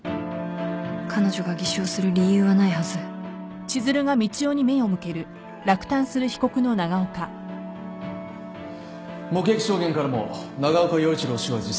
彼女が偽証する理由はないはず目撃証言からも長岡洋一郎氏は自殺。